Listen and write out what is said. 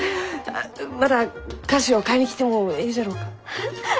また菓子を買いに来てもえいじゃろうか？